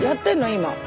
今。